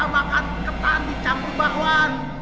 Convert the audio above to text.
makan ketan dicampur bahuan